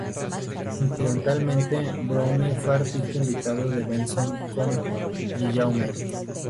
Incidentalmente, Browne fue artista invitado en "Benson", con Guillaume.